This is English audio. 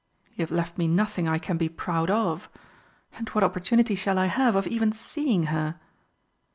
"You have left me nothing I can be proud of. And what opportunity shall I have of even seeing her?"